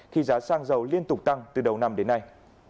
khi giá xăng dầu liên tục tăng từ đầu năm đến nay